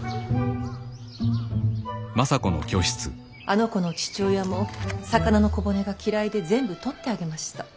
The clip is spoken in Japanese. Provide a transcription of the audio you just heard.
あの子の父親も魚の小骨が嫌いで全部取ってあげました。